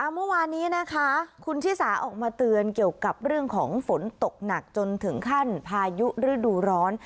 เมื่อวานนี้นะคะคุณชิสาออกมาเตือนเกี่ยวกับเรื่องของฝนตกหนักจนถึงขั้นพายุฤดูร้อน